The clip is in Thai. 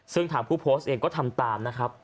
ซึ่งทางผู้โพสต์เองก็ทำตามนะครับ